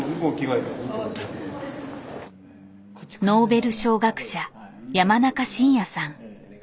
ノーベル賞学者山中伸弥さん。